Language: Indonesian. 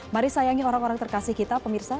mari sayangi orang orang terkasih kita pemirsa